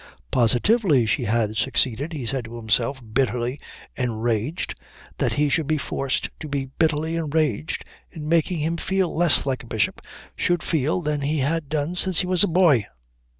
Positively she had succeeded, he said to himself, bitterly enraged that he should be forced to be bitterly enraged, in making him feel less like a bishop should feel than he had done since he was a boy.